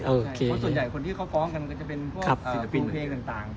เพราะส่วนใหญ่คนที่เขาก้องกันก็จะเป็นผู้เทเงินต่าง